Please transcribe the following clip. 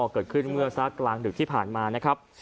เกิดขึ้นเมื่อสักกลางดึกที่ผ่านมานะครับ